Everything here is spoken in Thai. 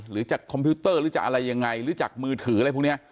หรือจากคอมพิวเตอร์หรือจะอะไรยังไงหรือจากมือถืออะไรพวกนี้